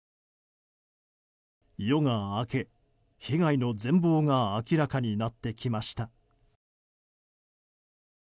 夜が明け、被害の全貌が明らかになってきました。